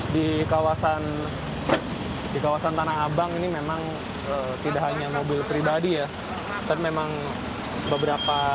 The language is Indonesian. di kawasan di kawasan tanah abang ini memang tidak hanya mobil pribadi ya dan memang beberapa